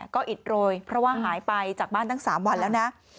ก็อิดโรยเพราะว่าหายไปจากบ้านตั้ง๓วันแล้วนะ